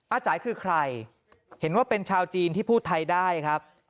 จ่ายคือใครเห็นว่าเป็นชาวจีนที่พูดไทยได้ครับ